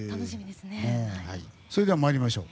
それでは参りましょう。